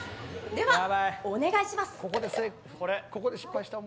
では、お願いします。